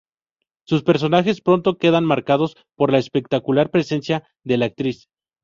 Sus personajes pronto quedan marcados por la espectacular presencia de la actriz.